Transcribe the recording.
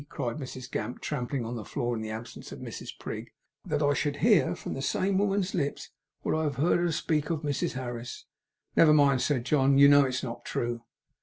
cried Mrs Gamp, trampling on the floor, in the absence of Mrs Prig, 'that I should hear from that same woman's lips what I have heerd her speak of Mrs Harris!' 'Never mind,' said John. 'You know it is not true.